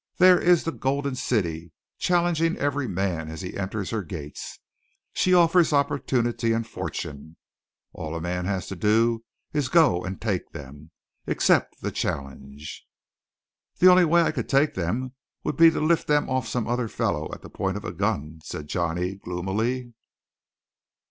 "There is the Golden City, challenging every man as he enters her gates. She offers opportunity and fortune. All a man has to do is go and take them! Accept the challenge!" "The only way I could take them would be to lift them off some other fellow at the point of a gun," said Johnny gloomily.